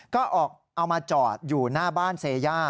ก็เอามาจอดอยู่หน้าบ้านเซย่า